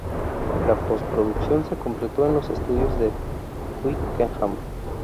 La posproducción se completó en los estudios de Twickenham.